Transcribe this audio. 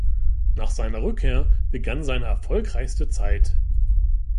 Nach seiner Rückkehr begann seine erfolgreichste Zeit.